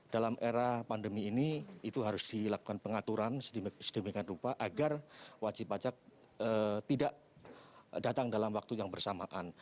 dalam era pandemi ini itu harus dilakukan pengaturan sedemikian rupa agar wajib pajak tidak datang dalam waktu yang bersamaan